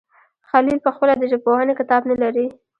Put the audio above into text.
خلیل پخپله د ژبپوهنې کتاب نه لري.